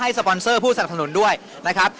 ให้ของผู้สัตว์ถนนด้วยนะครับ